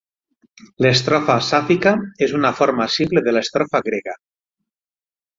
L'estrofa sàfica és una forma simple de l'estrofa grega.